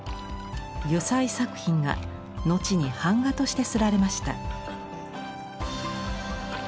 油彩作品が後に版画として刷られました。